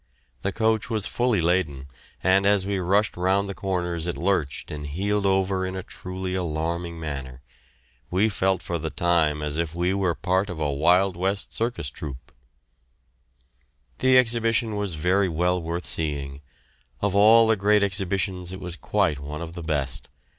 The coach was fully laden, and as we rushed around the corners it lurched and heeled over in a truly alarming manner. We felt for the time as if we were part of a Wild West circus troupe. The Exhibition was very well worth seeing. Of all the great exhibitions it was quite one of the best.